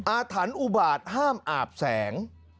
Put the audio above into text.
อาถรรพ์อุบาตห้ามอาบแสง